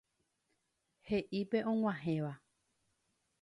He'i pe og̃uahẽva.